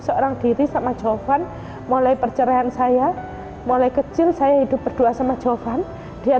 seorang diri sama jovan mulai perceraian saya mulai kecil saya hidup berdua sama jovan dia